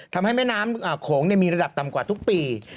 ทำให้แม่น้ำโขงมีระดับต่ำกว่าทุกปี